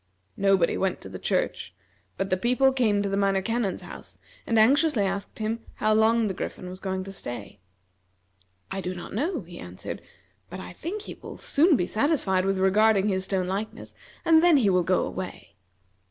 Nobody went to the church, but the people came to the Minor Canon's house, and anxiously asked him how long the Griffin was going to stay. "I do not know," he answered, "but I think he will soon be satisfied with regarding his stone likeness, and then he will go away."